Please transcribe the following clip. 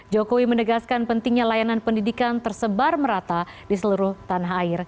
jokowi menegaskan pentingnya layanan pendidikan tersebar merata di seluruh tanah air